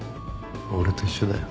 俺と一緒だよ。